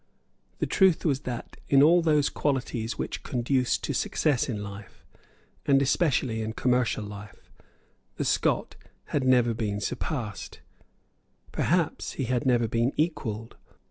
The truth was that, in all those qualities which conduce to success in life, and especially in commercial life, the Scot had never been surpassed; perhaps he had never been equalled.